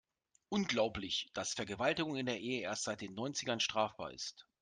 Unglaublich, dass Vergewaltigung in der Ehe erst seit den Neunzigern strafbar ist.